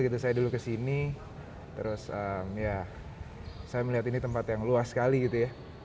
saya dulu ke sini terus ya saya melihat ini tempat yang luas sekali gitu ya